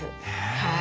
はい。